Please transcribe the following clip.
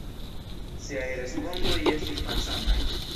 Siaj respondoj estis malsamaj.